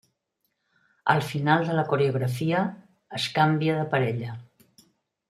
Al final de la coreografia es canvia de parella.